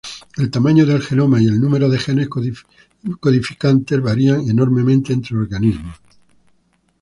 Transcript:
El tamaño del genoma y el número de genes codificantes varían enormemente entre organismos.